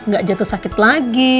gak jatuh sakit lagi